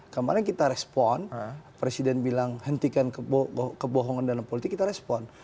kemarin kita respon presiden bilang hentikan kebohongan dalam politik kita respon